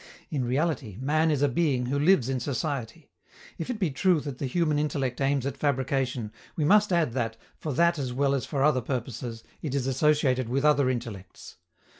In reality, man is a being who lives in society. If it be true that the human intellect aims at fabrication, we must add that, for that as well as for other purposes, it is associated with other intellects.